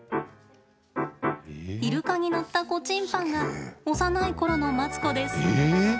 イルカに乗った子チンパンが幼いころのマツコです。